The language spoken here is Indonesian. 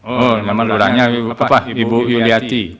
oh nama lurahnya ibu yuliarti